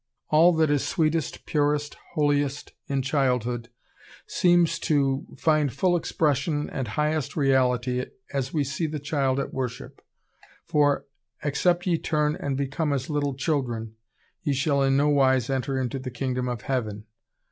All that is sweetest, purest, holiest in childhood seems to find full expression and highest reality as we see the child at worship, for "except ye turn and become as little children, ye shall in no wise enter into the kingdom of heaven